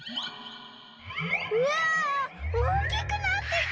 うわおおきくなってく。